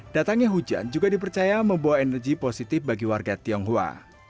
datangnya hujan juga dipercaya membawa energi positif bagi warga tionghoa